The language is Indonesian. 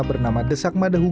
bernama desak mada